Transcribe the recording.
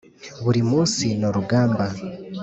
buri munsi ni urugamba.